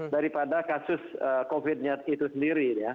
daripada kasus covid sembilan belas itu sendiri